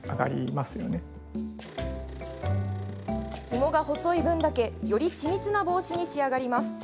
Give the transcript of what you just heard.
ひもが細い分だけより緻密な帽子に仕上がります。